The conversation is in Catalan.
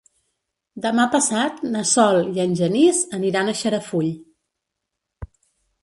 Demà passat na Sol i en Genís aniran a Xarafull.